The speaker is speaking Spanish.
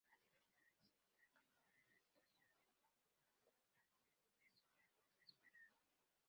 Una divertida cinta cargada de situaciones de humor tratando de descifrar lo inesperado.